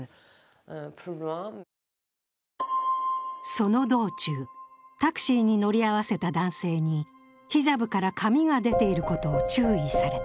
その道中、タクシーに乗り合わせた男性にヒジャブから髪が出ていることを注意された。